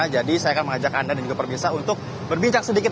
jadi saya akan mengajak anda dan juga pemirsa untuk berbincang sedikit